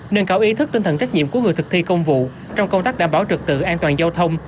nâng cao ý thức tinh thần trách nhiệm của người thực thi công vụ trong công tác đảm bảo trực tự an toàn giao thông